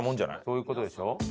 そういう事でしょ。